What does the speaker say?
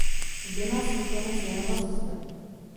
Zde má svůj konec "Janova cesta".